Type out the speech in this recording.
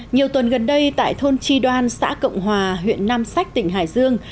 nhiều tuần gần đây tại thôn tri đoan xã cộng hòa huyện nam sách tỉnh hải dương